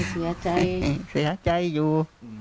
เสียใจเสียใจอยู่